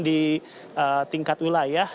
di tingkat wilayah